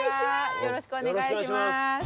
よろしくお願いします。